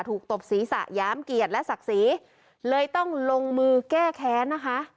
ตบศีรษะหยามเกียรติและศักดิ์ศรีเลยต้องลงมือแก้แค้นนะคะ